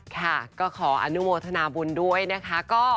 ค่ะก็ขออนุโมทนาบุญด้วยนะคะ